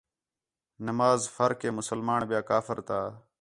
نماز فرق ہِے مسلمان ٻِیا کافر تا